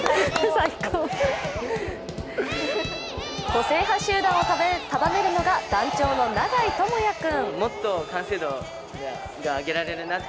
個性派集団を束ねるのが団長の永井智哉君。